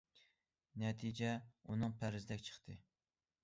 نەتىجە ئۇنىڭ پەرىزىدەك چىقتى.